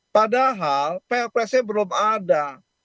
padahal prps nya belum ada